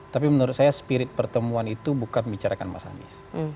tapi menurut saya spirit pertemuan itu bukan membicarakan mas anies